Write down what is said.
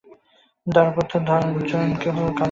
দারাপুত্র ধনজন কেহ কারো নয়।